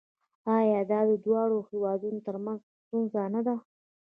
آیا دا د دواړو هیوادونو ترمنځ ستونزه نه ده؟